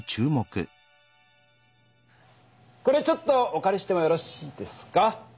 これちょっとおかりしてもよろしいですか？